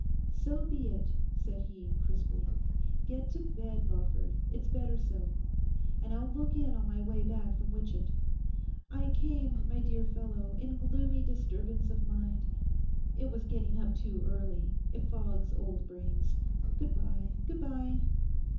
'So be it,' said he crisply. 'Get to bed, Lawford; it's better so. And I'll look in on my way back from Witchett. I came, my dear fellow, in gloomy disturbance of mind. It was getting up too early; it fogs old brains. Good bye, good bye.